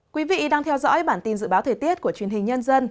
quý vị đang theo dõi bản tin dự báo thời tiết của truyền hình nhân dân